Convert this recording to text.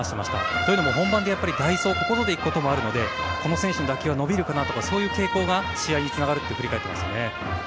というのも本番、代走ここぞというところで行くこともあるのでこの選手の打球は伸びるかなとかそういう傾向が試合につながるって振り返っています。